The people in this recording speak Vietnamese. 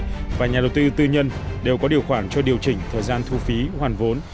bộ giao thông vận tải và nhà đầu tư tư nhân đều có điều khoản cho điều chỉnh thời gian thu phí hoàn vốn